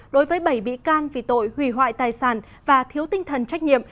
đối với bảy bị can vì tội hủy hoại tài sản và thiếu tinh thần trách nhiệm